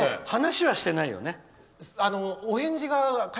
話はしてないよね？